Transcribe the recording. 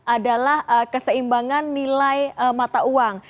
adalah keseimbangan nilai mata uang